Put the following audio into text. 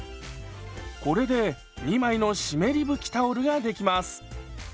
これで２枚の湿り拭きタオルができます。